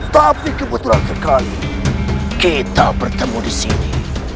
tapi kebetulan sekali kita bertemu di sini